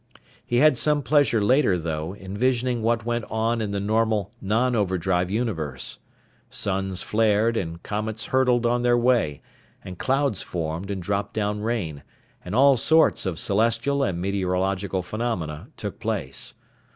He had some pleasure later, though, envisioning what went on in the normal, non overdrive universe. Suns flared, and comets hurtled on their way, and clouds formed and dropped down rain, and all sorts of celestial and meteorological phenomena took place.